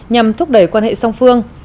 nhằm thúc đẩy quan hệ song phương